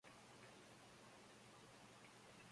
Tatsuya Suzuki